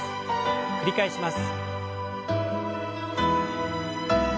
繰り返します。